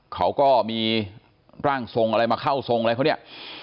เขาก็มีร่างทรงอะไรมาเข้าทรงอะไรเขาเนี่ย